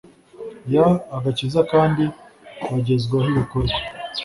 y agakiza kandi bagezwaho ibikorwa